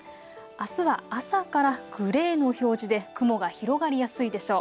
あすは朝からグレーの表示で雲が広がりやすいでしょう。